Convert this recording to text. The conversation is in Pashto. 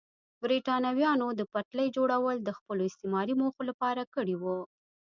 برېټانویانو د پټلۍ جوړول د خپلو استعماري موخو لپاره کړي وو.